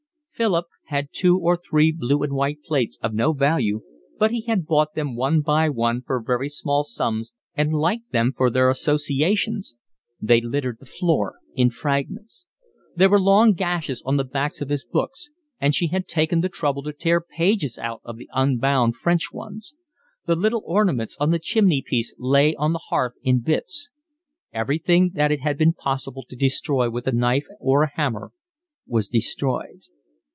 Philip had two or three blue and white plates, of no value, but he had bought them one by one for very small sums and liked them for their associations. They littered the floor in fragments. There were long gashes on the backs of his books, and she had taken the trouble to tear pages out of the unbound French ones. The little ornaments on the chimney piece lay on the hearth in bits. Everything that it had been possible to destroy with a knife or a hammer was destroyed.